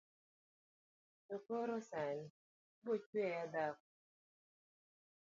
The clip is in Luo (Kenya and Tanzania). to koro sani ibochweya dhako